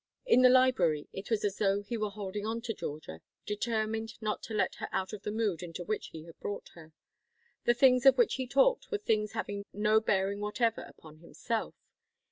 In the library it was as though he were holding on to Georgia, determined not to let her out of the mood into which he had brought her. The things of which he talked were things having no bearing whatever upon himself.